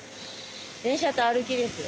電車と歩きです。